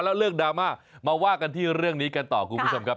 แล้วเลิกดราม่ามาว่ากันที่เรื่องนี้กันต่อคุณผู้ชมครับ